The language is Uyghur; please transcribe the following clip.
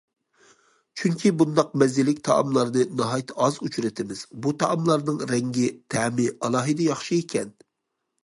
چۈنكى بۇنداق مەززىلىك تائاملارنى ناھايىتى ئاز ئۇچرىتىمىز، بۇ تائاملارنىڭ رەڭگى، تەمى ئالاھىدە ياخشى ئىكەن.